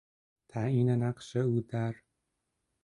تعیین نقش او در....